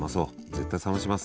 絶対冷まします。